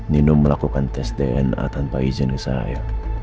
minum melakukan tes dna tanpa izin ke saya